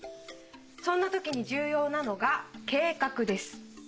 そんな時に重要なのが計画です。